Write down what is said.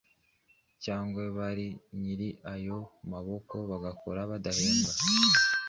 cyangwa ba nyiri ayo maboko bagakora badahembwa